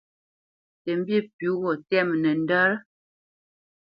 Tə mbî pʉ̌ gho tɛ́mə nəndət?